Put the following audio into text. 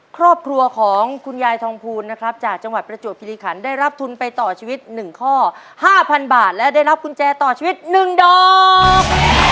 ครอบครัวของคุณยายทองภูลนะครับจากจังหวัดประจวบคิริขันได้รับทุนไปต่อชีวิต๑ข้อ๕๐๐บาทและได้รับกุญแจต่อชีวิต๑ดอก